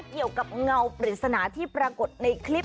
เกี่ยวกับเงาปริศนาที่ปรากฏในคลิป